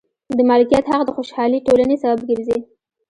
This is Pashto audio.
د مالکیت حق د خوشحالې ټولنې سبب ګرځي.